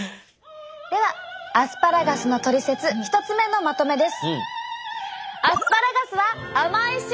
ではアスパラガスのトリセツ１つ目のまとめです。